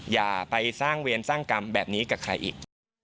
อย่าไปสร้างเวรสร้างกรรมแบบนี้กับใครอีก